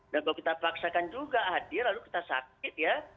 dan kalau kita paksakan juga hadir lalu kita sakit ya